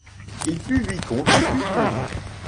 Il fut vicomte puis comte.